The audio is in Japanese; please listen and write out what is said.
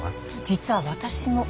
実は私も。